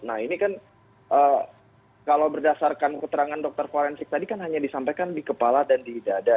nah ini kan kalau berdasarkan keterangan dokter forensik tadi kan hanya disampaikan di kepala dan di dada